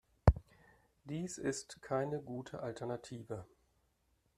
Dies ist keine gute Alternative.